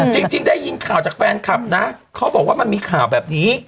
จริงได้ยินข่าวจากแฟนคลับนะเขาบอกว่ามันมีข่าวแบบนี้